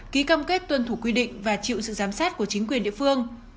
ký cam kết tuân thủ quy định và chịu sự giám sát của chính quyền địa phương